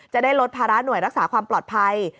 จะได้ลดภาระหน่วยรักษาความปลอดภัย